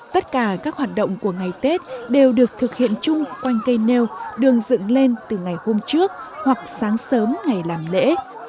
tất cả các hoạt động của ngày tết đều được thực hiện chung quanh cây nêu đường dựng lên từ ngày hôm trước hoặc sáng sớm ngày làm lễ